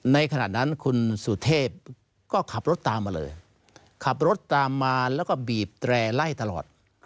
ขณะนั้นคุณสุเทพก็ขับรถตามมาเลยขับรถตามมาแล้วก็บีบแตร่ไล่ตลอด